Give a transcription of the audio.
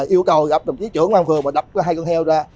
yêu cầu gặp đồng chí trưởng công an phường và đập hai con heo ra